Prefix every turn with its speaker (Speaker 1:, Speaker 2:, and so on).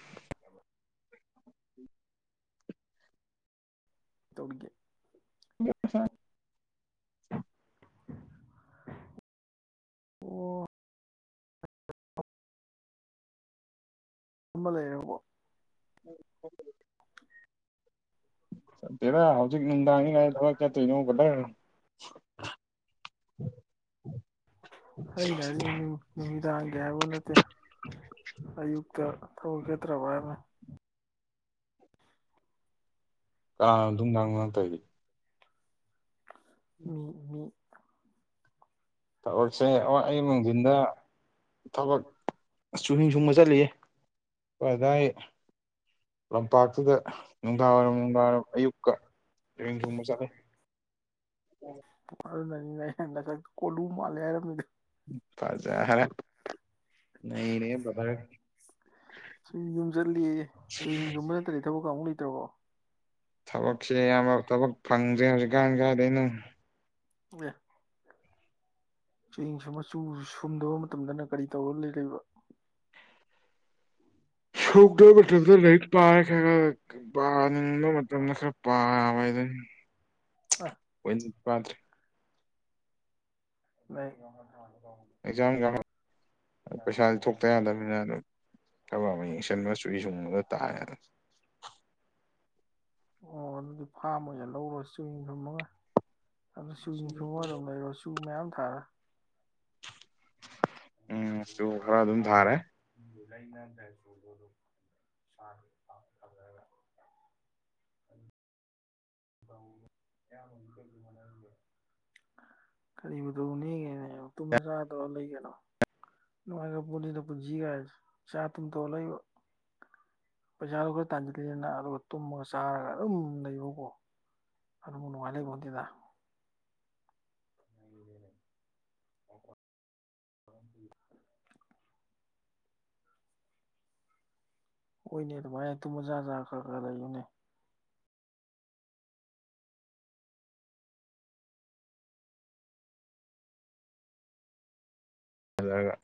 Speaker 1: [inaudible]
Speaker 2: [inaudible]
Speaker 1: ꯇꯧꯔꯒꯦ
Speaker 2: [unintelligible] [unintelligible]
Speaker 1: ꯑꯣ ꯑꯃ ꯂꯩꯔꯕꯣ
Speaker 2: [unintelligible] ꯅꯠꯇꯦꯗ ꯍꯧꯖꯤꯛ ꯅꯨꯡꯗꯥꯡꯅꯤ ꯀꯥꯏꯗ ꯊꯕꯛ ꯆꯠꯇꯣꯏꯅꯣ ꯕ꯭ꯔꯗꯔ [unintelligible]
Speaker 1: ꯑꯩꯅ ꯍꯥꯏꯁꯦ [unintelligible] ꯅꯨꯃꯤꯠꯗꯥꯡꯗ ꯍꯥꯏꯕ ꯅꯠꯇꯦ ꯑꯌꯨꯛꯇ ꯊꯕꯛ ꯆꯠꯇ꯭ꯔꯕ ꯍꯥꯏꯕ
Speaker 2: ꯀꯅꯥꯅꯣ ꯗꯨꯡꯗꯥꯡ ꯗꯨꯡꯗꯥꯡ ꯇꯧꯔꯤꯗꯤ
Speaker 1: ꯃꯤ ꯃꯤ
Speaker 2: ꯊꯕꯛꯁꯦ ꯑꯣ ꯑꯩꯌꯨꯛ ꯅꯨꯡꯊꯤꯟꯗ ꯊꯕꯛ ꯆꯨꯍꯤꯡ ꯁꯨꯡꯕ ꯆꯠꯂꯤꯌꯦ [unintelligible] ꯂꯩꯀꯥꯏ ꯂꯝꯄꯥꯛꯇꯨꯗ ꯅꯨꯡꯗꯥꯡꯋꯥꯏꯔꯝ ꯅꯨꯡꯗꯥꯡꯋꯥꯏꯔꯝ ꯑꯌꯨꯛꯀ ꯌꯨꯍꯤꯡ ꯁꯨꯡꯕ ꯆꯠꯂꯦ
Speaker 1: ꯑꯗꯨꯅꯅꯤꯅꯦꯍꯦ ꯅꯁꯛꯇꯨ ꯀꯣꯜꯂꯨ ꯃꯥꯜꯂꯦ ꯍꯥꯏꯔꯝꯃꯤꯗꯣ
Speaker 2: ꯐꯖꯔꯦ ꯅꯩꯔꯦꯍꯦ ꯕ꯭ꯔꯗꯔ
Speaker 1: ꯆꯨꯍꯤꯡ ꯄꯥꯕꯨꯡ ꯂꯩꯇ꯭ꯔꯕꯣ
Speaker 2: ꯊꯕꯛꯁꯦ ꯑꯌꯥꯝꯕ ꯊꯕꯛ ꯐꯪꯗ꯭ꯔꯦ ꯍꯧꯖꯤꯛ ꯀꯥꯟ ꯀꯥꯏꯗꯩꯅꯣ
Speaker 1: ꯑꯦ ꯆꯨꯍꯤꯡ ꯁꯨꯝꯕ ꯆꯨ ꯁꯨꯝꯗꯕ ꯃꯇꯝꯗꯅ ꯀꯔꯤ ꯇꯧꯔꯒ ꯂꯩꯔꯤꯕ
Speaker 2: [unintelligible] ꯃꯇꯝꯗ ꯂꯥꯏꯔꯤꯛ ꯄꯥꯔꯥ [unintelligible] ꯃꯇꯝꯗ ꯈꯔ ꯄꯥꯕ ꯍꯥꯏꯗꯨꯅꯤ
Speaker 1: ꯑ
Speaker 2: [unintelligible]
Speaker 1: [unintelligible]
Speaker 2: ꯑꯦꯛꯖꯥꯝꯒ ꯄꯩꯁꯥꯗꯤ ꯊꯣꯛꯇ ꯌꯥꯗꯕꯅꯤꯅ ꯑꯗꯨꯝ ꯊꯕꯛ ꯑꯃ ꯌꯦꯡꯁꯤꯟꯕ ꯆꯨꯍꯤꯡ ꯁꯨꯡꯕꯗ ꯇꯥꯔꯦꯗꯅ
Speaker 1: ꯑꯣ ꯑꯗꯨꯗꯤ ꯐꯥꯝ ꯑꯣꯏꯅ ꯂꯧꯔꯣ ꯆꯨꯍꯤꯡ ꯁꯨꯝꯃꯒ ꯑꯗꯨ ꯆꯨꯍꯤꯡ ꯁꯨꯝꯃ ꯑꯗꯨꯝ ꯂꯩꯔꯣ ꯆꯨ ꯃꯌꯥꯝ ꯊꯥ
Speaker 2: ꯎꯝ ꯆꯨ ꯈꯔ ꯑꯗꯨꯝ ꯊꯥꯔꯦ
Speaker 1: [unintelligible] ꯏꯁꯥꯒꯤ ꯑꯄꯥꯝꯕ ꯇꯧꯖꯔꯒ ꯀꯔꯤꯕꯨꯗꯅꯦꯉꯦꯅꯦ ꯇꯨꯝꯃ ꯆꯥꯔ ꯇꯧꯔ ꯂꯩ ꯀꯩꯅꯣ ꯅꯨꯡꯉꯥꯏꯈꯔ ꯄꯣꯠꯅꯤꯗ ꯄꯨꯁꯤ ꯒꯥꯏꯁꯦ ꯆꯥ ꯇꯨꯝ ꯇꯧꯔ ꯂꯩꯕ ꯄꯩꯁꯥꯗꯨꯣ ꯈꯔ ꯇꯥꯟꯁꯤꯂꯦꯅ ꯑꯗꯨꯒ ꯇꯨꯝꯃꯒ ꯆꯥꯔꯒ ꯑꯗꯨꯝ ꯂꯩꯕꯀꯣ ꯑꯗꯨꯃꯨꯛ ꯅꯨꯡꯉꯥꯏ ꯂꯩꯄꯣꯠꯇꯦꯗ ꯍꯣꯏꯅꯦ ꯑꯗꯨꯃꯥꯥꯏ ꯇꯨꯝꯃ ꯆꯥꯔꯥ ꯆꯥꯔꯥ ꯈ꯭ꯔ ꯈ꯭ꯔ ꯂꯩꯎꯅꯦ
Speaker 2: ꯍꯜꯂꯒ